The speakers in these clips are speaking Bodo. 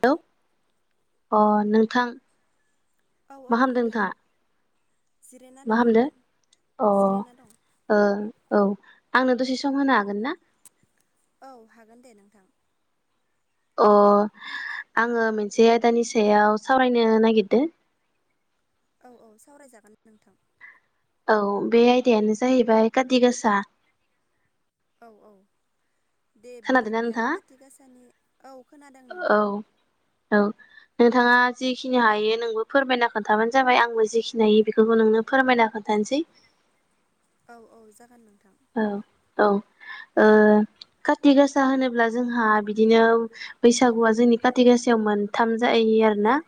औ हेलौ अ नोंथां औ औ मा खालामदों नोंथां नोंथाङा जिरायना मा दं खालामदो नोंथां अ जिरायना दं। ओ औ आंनो दसे सम होनो हागोन ना? औ हागोन दे नोंथां। अ आङो मोनसे आयदानि सायाव सावरायनो नागिरदों। औ औ सावरायजागोन नोंथां। औ बे आयदायानो जाहैबाय काति गासा। औ औ दे खोनादोंना बिदिब्ला नोंथाङा खाति गासानि औ खोनादों औ नोंथां। औ नोंथाङा जिखिनि हायो नोंबो फोरमायना खोन्थाबानो जाबाय आंबो जिखिनि हायो बेखौबो नोंनो फोरमायना खोनथानोसै औ औ जागोन नोंथां। औ औ ओ काति गासा होनोब्ला जोंहा बिदिनो बैसागुआ जोंनि काति गासायाव मोन थाम जाहैयो आरोना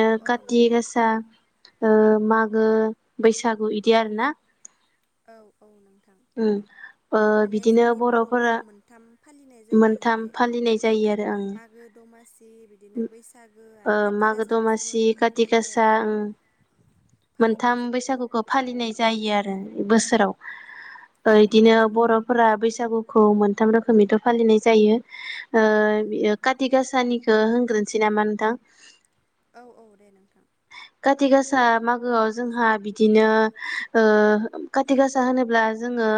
औ औ काति नोंथां गासा ओ मागो बैसागु बिदि आरो ना औ औ नोंथां। उम ओ माने बिदिनो जोंनि बर'फोरा मोनथाम फालिनाय जायो आरो मोनथाम जेरै फालिनाय औ जायो आरो ओं मागो दमासि। बिदिनो बैसागो ओ आरो। काथि मागो गासा बेसोर दमासि मोनथामखौ खाति माने गासा औ ओं फालिनाय मोनथाम जायो बैसागुखौ उम फालिनाय जायो। आरो बोसोराव औ बिदिनो बर'फोरा बैसागुखौ मोनथाम रोखोमैथ' फालिनाय जायो उम ओ काथि गाासानिखौ होनग्रोनोसै नामा नोंथां? औ औ दे नोंथां। काति गासा मागोआव जोंहा बिदिनो ओ काति गासा होनोब्ला जोङो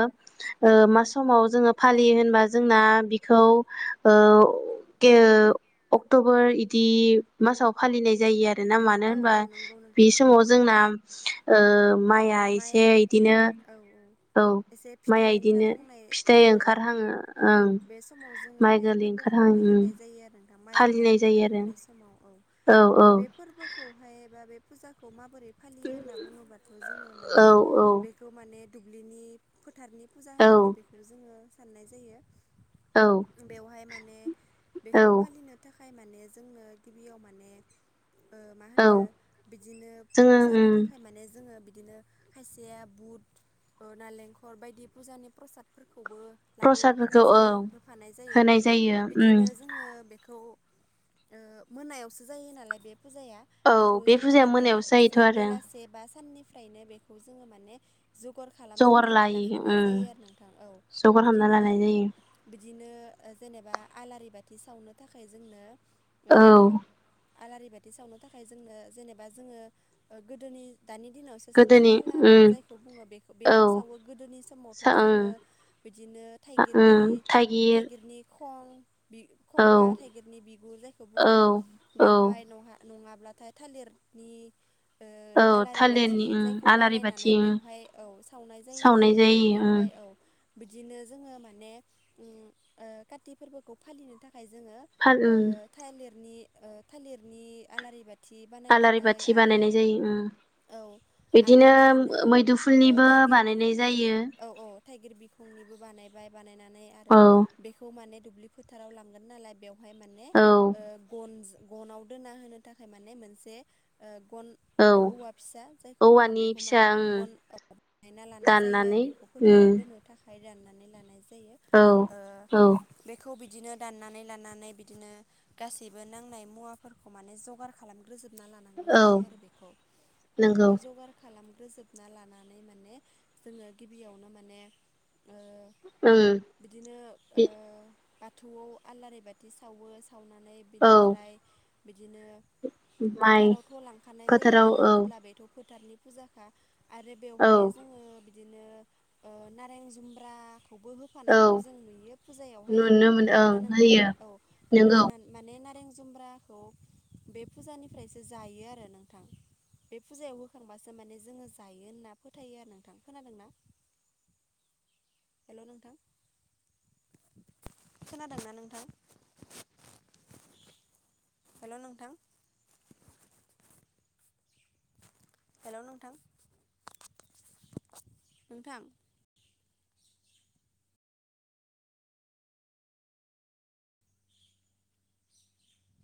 ओ मा समाव जोङो फालियो होनबा जोंना बिखौ ओ अक्ट'बर बिदि मासाव फालिनाय जायो आरो ना मानो औ होनबा औ नंगौ बे नोंथां समाव जोंना ओ माइ आ माइ औ औ औ एसे माइआ फिथाइ इदिनो ओंखारहांनाय फिथाइ जेनाव ओंखारहाङो औ ओं बे समाव जोङो माइ बे गोरलै फोरबोखौ खौ ओंखारहां उम फालिनाय जायो आरो नोंथां माइ बिदां फालिनाय जायो आरो ओंखारहांनाय समाव औ बे फोरबो खौहाय बा बे फुजाखौ माबोरै फालियो होनना बुङोबाथ' जोङो माने बे औ बेखौ माने दुब्लिनि फोथारनि फुजा औ होननानै बेखौ जोङो साननाय जायो। औ बेवहाय माने बेखौ औ फालिनो थाखाय माने जोंनो गिबियाव माने ओ मा औ होनो बिदिनो जोङो फुजानि उम थाखाय माने जोङो बि बिदिनो खायसेया बुद ओ नालेंखर बायदि फुजानि प्रसादफोरखौबो प्रसादफोरखौ लाबोफानाय औ जायो होफानाय जायो होनाय जायो उम बिदिनो जोङो बे खौ ओ मोनायावसो जायो नालाय बे फुजाया। औ बेखौ बे जोङो फुजाया माने मोनायावसो एसे जायोथ' आरो बेलासे बा साननिफ्रायनो बेखौ जोङो माने जगार जगार खालामजोबनानै लायो लाखानाय जायो उम आरो नोंथां औ जगार खालामना बिदिनो लानाय जायो बिदिनो जेनेबा आलारि बाथि सावनो थाखाय जोंनो ओ औ आलारि बाथि सावनो थाखाय जोंनो जेनेबा जोङो ओ गोदोनि दानि दिनावसो साथि गोदोनि खाला बा उम जायखौ बुङो बेखौ बेयाव औ सावो गोदोनि समावथ' सा ओं जोङो बिदिनो थाइगिरनि उम थाइगिर थाइगिरनि खं। बि औ खंबा थाइगिरनि बिगुर जायखौ औ बुङो औ बेवहाय नहा नङाब्लाथाय थालिरनि ओ औ आलारि बा थालिरनि उम जायखौ आलारि बाथि बनायनानै उम बेवहाय औ सावनाय जायोमोन जायो उम बेवहाय औ बिदिनो जोङो माने उम ओ काति फोरबोखौ फालिनो थाखाय जोङो फान ओ उम थाइलिरनि ओ थालिरनि आलारि बाथि आलारि बानायनानै बाथि आरो बानायनाय जायो उम औ आरो बिदिनो ओ मैदुफुलनिबो थाइगिर बानायनाय बिखुंनि जायो औ औ थाइगिर बिखंनिबो बानायबाय बानायनानै आरो औ बेखौ माने दुब्लि फोथाराव लांगोन नालाय बेव हाय माने औ ओ गन‌ गनाव दोनना होनो थाखाय माने मोनसे ओ गन औ ओ औवा फिसा जायखौ बुङो औवानि बेखौ फिसा माने उम गन बानायना लानाय जायो आरो दाननानै बेखौ फोथाराव उम दोनो थाखा हाय दाननानै लानाय जायो औ ओ औ बेखौ बिदिनो दाननानै लानानै बिदिनो गासैबो नांनाय मुवाफोरखौ माने जगार खालामग्रोजोबना लानांगौ औ जायो आरो बेखौ। नंगौ बेखौनो जगार खालामग्रोजोबना लानानै माने जोङो गिबियावनो माने ओ उम बिदिनो ओ बि बाथौआव आलारि बाथि सावो सावनानै औ बिनिफ्राय बिदिनो माइ फोथारावथ' लांखानाय जायो फोथाराव मानो औ होनोब्ला बेथ' फोथरनि फुजाखा आरो औ बेवहाय जोङो दिनो ओ नारें जुम्ब्राखौबो हो औ फानायखौ जों नुयो फुजायावहाय नुनो मोनो ओं नंगौना नोंथां होयो औ नोंगौ माननान माने नारें जुमब्राखौ बे फुजानिफ्रायसो जायो आरो नोंथां। बे फुजायाव होखांबासो माने जोङो जायो होनना फोथायो आरो नोंथां खोनादों ना? हेल' नोंथां खोनादोंना नोंथां? हेल' नोंथां हेल नोंथां नोंथां